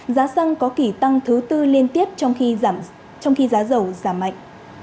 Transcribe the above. giá xăng có kỳ tăng thứ tư liên tiếp trong khi giá dầu giảm mạnh